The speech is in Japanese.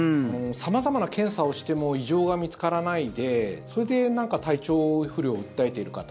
様々な検査をしても異常が見つからないでそれで体調不良を訴えている方